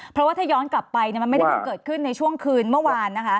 เพราะว่าถ้าย้อนกลับไปมันไม่ได้เพิ่งเกิดขึ้นในช่วงคืนเมื่อวานนะคะ